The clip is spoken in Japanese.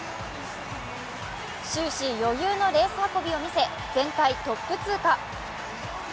終始、余裕のレースはこびを見せ全体トップ通過。